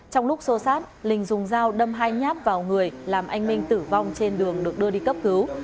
trong lúc xô sát linh dùng dao đâm hai nhát vào người làm anh minh tử vong trên đường được đưa đi cấp cứu